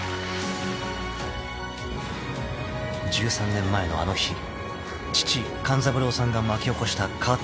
［１３年前のあの日父勘三郎さんが巻き起こしたカーテンコール］